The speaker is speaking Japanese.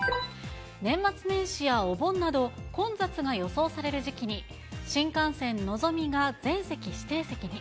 年末年始やお盆など、混雑が予想される時期に、新幹線のぞみが全席指定席に。